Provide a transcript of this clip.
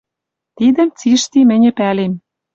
«Тидӹм цишти мӹньӹ пӓлем